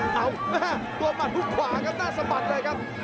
เอาตัวหมัดฮุกขวาครับหน้าสะบัดเลยครับ